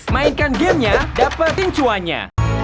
mainkan gamenya dapet pincuannya